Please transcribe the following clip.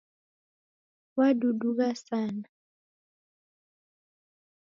Wadudugha sana